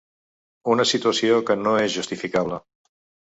Una situació que no és justificable.